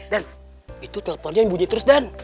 dan itu teleponnya yang bunyi terus dan